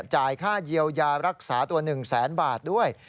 จ่ายค่าเยียวยารักษาตัว๑แสนบาทด้วย